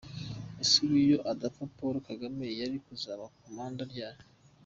Ubu se iyo adapfa Paul Kagame yari kuzaba commander ryari!!??